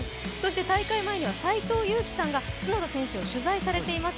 大会前には斎藤佑樹さんが角田選手を取材されています。